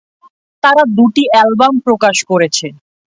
তারা দুটি অ্যালবাম প্রকাশ করেছে।